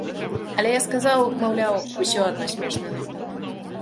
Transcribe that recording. Але я сказаў, маўляў, усё адно смешна.